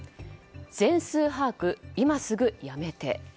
全数把握、今すぐやめて。